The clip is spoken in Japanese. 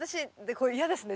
これ嫌ですね